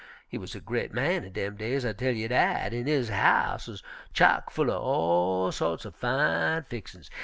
He wuz a gre't man in dem days, I tell you dat, an' his house wuz chock full er all sorts er fine fixin's.